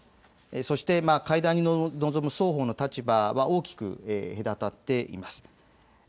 そして会談に臨む双方の立場は大きく隔たっています。